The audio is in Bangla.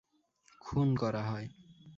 খুন করা হয়।